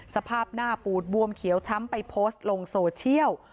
สภาพหน้าปูดบวมเขียวช้ำไปโพสต์ลงโซเชียล